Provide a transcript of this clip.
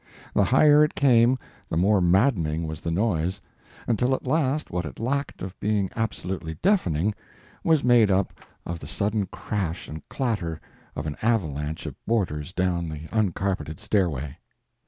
The higher it came the more maddening was the noise, until at last what it lacked of being absolutely deafening, was made up of the sudden crash and clatter of an avalanche of boarders down the uncarpeted stairway.